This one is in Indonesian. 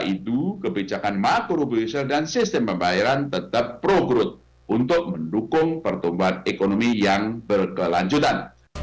sejalan dengan stand kebijakan makroprudensial dan sistem pembayaran tetap pro growth untuk mendukung pertumbuhan ekonomi yang berkelanjutan